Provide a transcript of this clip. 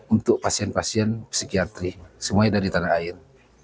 untuk pasien pasien psikiatri semuanya dari tanah air